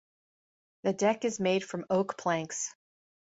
The deck is made from oak planks.